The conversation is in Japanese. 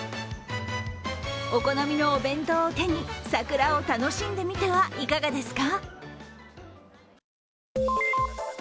お好みのお弁当を手に、桜を楽しんでみてはいかがですか。